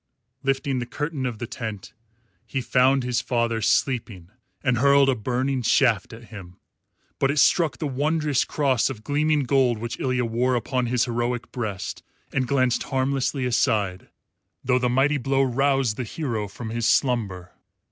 Lifting the curtain of the tent, he found his father sleeping and hurled a burning shaft at him; but it struck the wondrous cross of gleaming gold which Ilya wore upon his heroic breast and glanced harmlessly aside, though the mighty blow roused the hero from his slumber.